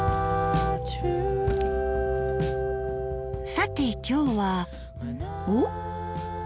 さて今日はおっ！